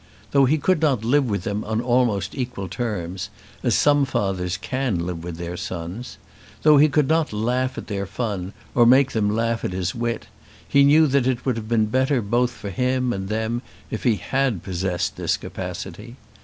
Though he could not live with them on almost equal terms, as some fathers can live with their sons, though he could not laugh at their fun or make them laugh at his wit, he knew that it would have been better both for him and them if he had possessed this capacity.